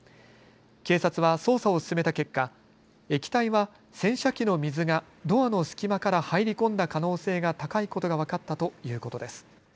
警察は捜査を進めた結果、液体は洗車機の水がドアの隙間から入り込んだ可能性が高いことが分かったということです。